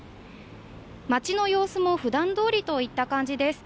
町の様子もふだんどおりといった感じです。